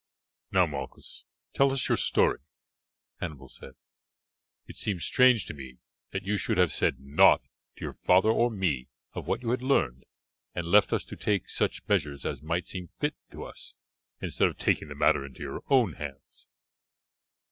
"Now, Malchus, tell us your story," Hannibal said. "It seems strange to me that you should have said nought to your father or me of what you had learned, and left us to take such measures as might seem fit to us, instead of taking the matter into your own hands."